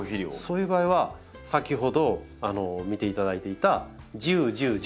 そういう場合は先ほど見ていただいていた１０１０１０。